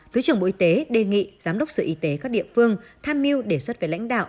thứ trưởng bộ y tế đề nghị giám đốc sở y tế các địa phương tham mưu đề xuất với lãnh đạo